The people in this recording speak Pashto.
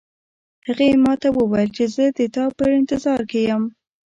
هغې ما ته وویل چې زه د تا په انتظار کې یم